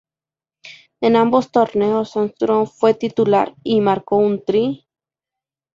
En ambos torneos Armstrong fue titular y marcó un try.